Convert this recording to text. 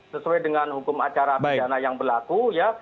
sesuai dengan hukum acara pidana yang berlaku ya